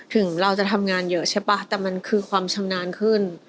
ถึงเราจะทำงานเยอะใช่ป่ะแต่มันคือความชำนาญขึ้น